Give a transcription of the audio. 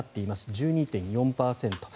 １２．４％。